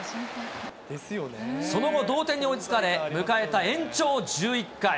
その後、同点に追いつかれ、迎えた延長１１回。